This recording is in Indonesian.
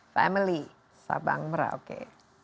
family sabang merauke